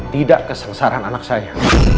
tidak kesengsaraan anak saya